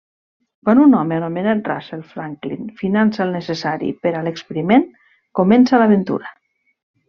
Quan un home anomenat Russell Franklin finança el necessari per a l'experiment, comença l'aventura.